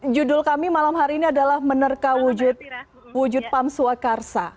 judul kami malam hari ini adalah menerka wujud pam swakarsa